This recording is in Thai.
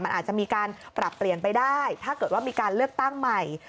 มันอาจจะมีการปรับเปลี่ยนไปได้ถ้าเกิดว่ามีการเลือกตั้งใหม่